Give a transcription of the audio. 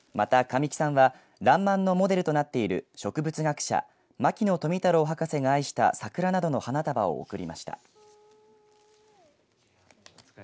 また神木さんはらんまんのモデルとなっている植物学者、牧野富太郎博士が愛した桜などの花束を贈りました。